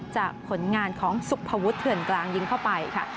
ผลงานของสุภวุฒิเถื่อนกลางยิงเข้าไปค่ะ